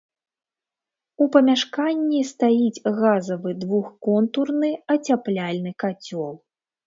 У памяшканні стаіць газавы двухконтурны ацяпляльны кацёл.